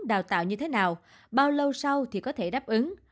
đào tạo như thế nào bao lâu sau thì có thể đáp ứng